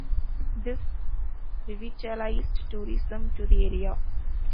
This revitalized tourism to the area.